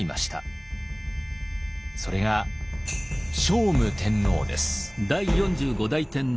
それが聖武天皇です。